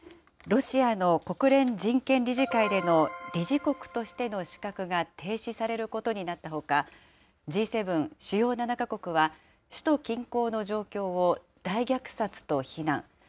ロシアの国連人権理事会での理事国としての資格が停止されることになったほか、Ｇ７・主要７か国は、首都近郊の状況を大虐殺と非難。